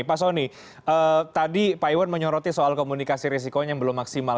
pak soni tadi pak iwan menyoroti soal komunikasi risikonya yang belum maksimal